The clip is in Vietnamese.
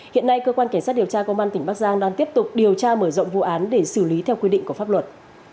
hiện nay cơ quan cảnh sát điều tra công an tỉnh bắc giang đang tiếp tục điều tra mở rộng vụ án để xử lý theo quy định của pháp luật